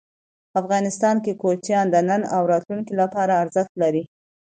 افغانستان کې کوچیان د نن او راتلونکي لپاره ارزښت لري.